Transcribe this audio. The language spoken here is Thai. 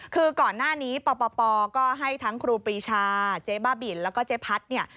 คือก่อนหน้านี้ปปก็ให้ทั้งครูปรีชาเจ๊บ้าบินแล้วก็เจ๊พัดเนี่ย